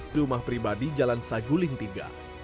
di rumah pribadi jalan saguling tiga